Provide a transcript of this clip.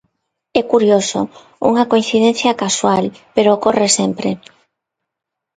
É curioso, unha coincidencia casual, pero ocorre sempre.